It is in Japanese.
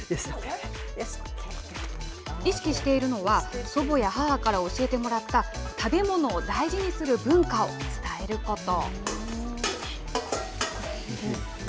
意識しているのは、祖母や母から教えてもらった、食べ物を大事にする文化を伝えること。